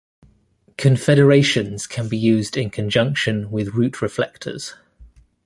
Confederations can be used in conjunction with route reflectors.